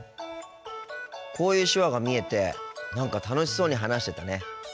こういう手話が見えて何か楽しそうに話してたね。